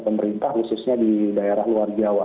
pemerintah khususnya di daerah luar jawa